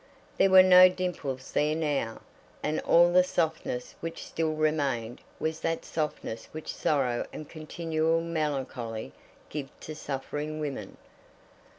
There were no dimples there now, and all the softness which still remained was that softness which sorrow and continual melancholy give to suffering women.